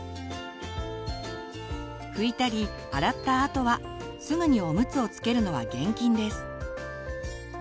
拭いたり洗ったあとはすぐにおむつをつけるのは厳禁です。